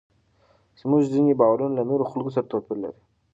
زموږ ځینې باورونه له نورو خلکو سره توپیر لري.